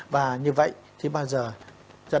và như vậy thì bao giờ